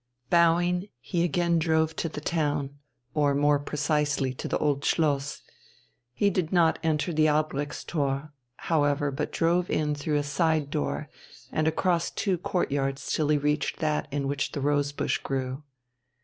Bowing, he again drove to the town, or more precisely to the Old Schloss. He did not enter the Albrechtstor, however, but drove in through a side door, and across two courtyards till he reached that in which the rose bush grew.